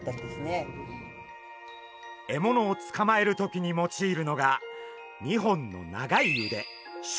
獲物をつかまえる時に用いるのが２本の長い腕